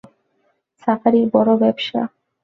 সাফারির বড় ব্যবসা।